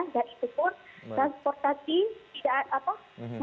dan itu pun transportasi tidak apa